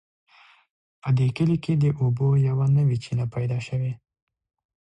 په دې کلي کې د اوبو یوه نوې چینه پیدا شوې